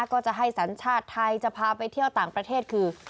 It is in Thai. ก็จะให้สัญชาติไทยจะพาไปเที่ยวต่างประเทศคือ